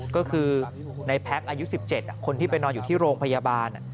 ก็คือในแพ็คอายุ๑๗คนที่ไปนอนอยู่ที่โรงพยาบาล